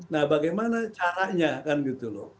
nah bagaimana caranya kan gitu loh